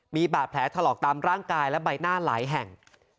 มีบาดแผลถลอกตามร่างกายและใบหน้าหลายแห่ง